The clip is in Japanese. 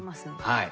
はい。